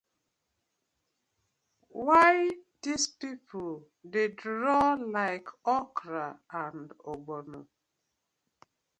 Why dis pipu dey draw like okra and ogbono.